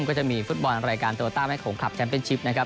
ก็จะมีฟุตบอลรายการตัวตามให้ของคลับแชมเป็นชิป